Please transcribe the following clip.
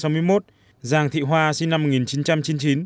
giàng thị hoa sinh năm một nghìn chín trăm chín mươi chín